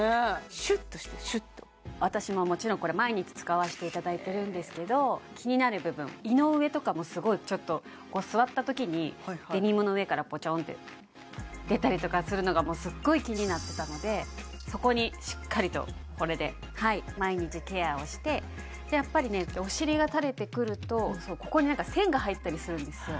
シュッとしてるシュッと私ももちろんこれ毎日使わせていただいてるんですけど気になる部分胃の上とかもすごいちょっと座ったときにデニムの上からポチョンて出たりとかするのがもうすっごい気になってたのでそこにしっかりとこれで毎日ケアをしてやっぱりお尻がたれてくるとここに何か線が入ったりするんですよ